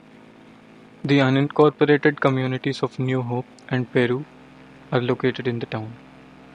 The unincorporated communities of New Hope and Peru are located in the town.